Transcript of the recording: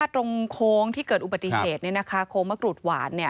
โค้งที่เกิดอุบัติเหตุโค้งมะกรูดหวาน